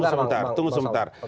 sebentar ya tunggu sementara